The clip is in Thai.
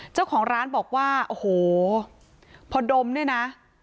เจ้าของร้านบอกว่าโอ้โหพอดมเนี่ยนะ